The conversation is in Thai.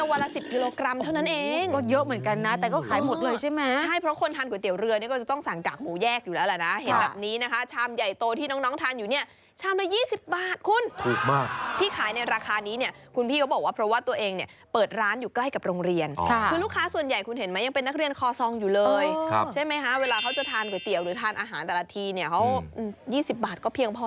แยกอยู่แล้วแหละนะครับเห็นแบบนี้นะคะชามใหญ่โตที่น้องน้องทานอยู่เนี่ยชามละยี่สิบบาทคุณถูกมากที่ขายในราคานี้เนี่ยคุณพี่เขาบอกว่าเพราะว่าตัวเองเนี่ยเปิดร้านอยู่ใกล้กับโรงเรียนค่ะคือลูกค้าส่วนใหญ่คุณเห็นไหมยังเป็นนักเรียนคอซองอยู่เลยอ๋อครับใช่ไหมฮะเวลาเขาจะทานก๋วยเตี๋